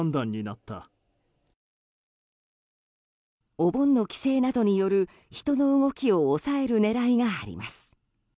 お盆の帰省などによる人の動きを抑える狙いがあります。